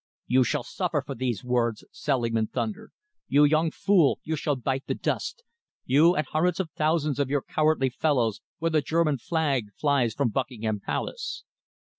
"You shall suffer for these words," Selingman thundered. "You young fool, you shall bite the dust, you and hundreds of thousands of your cowardly fellows, when the German flag flies from Buckingham Palace."